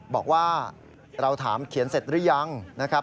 บอกว่าเราถามเขียนเสร็จหรือยังนะครับ